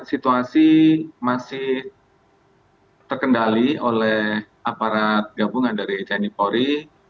situasi masih terkendali oleh aparat gabungan dari tni polri